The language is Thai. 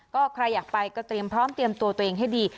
ก็ใครอยากไปก็เตรียมพร้อมเตรียมตัวตัวเองให้ดี